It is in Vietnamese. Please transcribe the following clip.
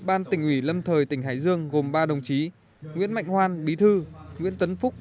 ban tỉnh ủy lâm thời tỉnh hải dương gồm ba đồng chí nguyễn mạnh hoan bí thư nguyễn tấn phúc